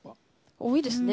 多いですね。